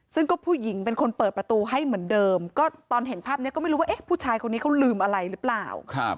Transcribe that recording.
ซึ่งก็ผู้หญิงเป็นคนเปิดประตูให้เหมือนเดิมก็ตอนเห็นภาพนี้ก็ไม่รู้ว่าผู้ชายคนนี้เขาลืมอะไรหรือเปล่า